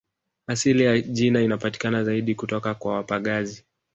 Asili ya jina inapatikana zaidi kutoka kwa wapagazi